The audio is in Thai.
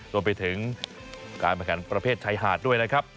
รวมไปถึงการประขันประเภทชายหาดด้วยนะครับ